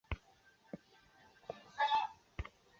灰蝶属是灰蝶科灰蝶亚科灰蝶族中的一个属。